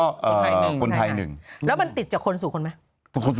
อย่างนึงเมืองไทย๔คนนะที่เป็น